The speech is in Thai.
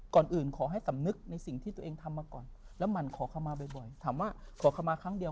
ก่อนอื่นขอให้สำนึกในสิ่งที่ตัวเองทำมาก่อนแล้วหมั่นขอคำมาบ่อย